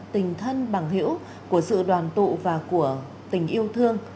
tình thân bằng hữu của sự đoàn tụ và của tình yêu thương